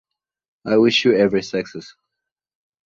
I wish you every success.